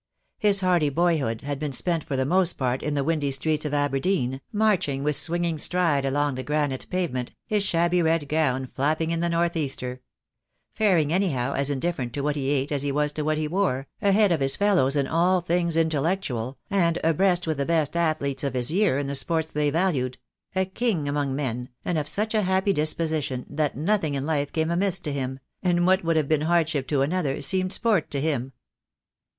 His hardy boyhood had been spent for the most part in the windy streets of Aberdeen, marching with swinging stride along that granite pavement, his shabby red gown napping in the north easter; faring anyhow, as indifferent to what he ate as he was to what he wore, ahead of his fellows in all things intellectual, and abreast with the best athletes of his year in the sports they valued, a king among men, and of such a happy disposition that nothing in life came amiss to him, and what would have been hardship to another seemed sport to him.